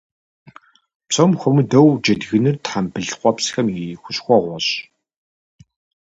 Псом хуэмыдэу, джэдгыныр тхьэмбыл къуэпсхэм и хущхъуэгъуэщ.